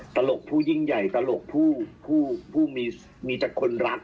ตลกผู้ยิ่งใหญ่ตลกผู้ผู้มีแต่คนรัก